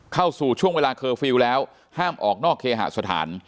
เข้าสู่ช่วงเวลาเคอร์ฟิลล์แล้วห้ามออกนอกเคหสถาน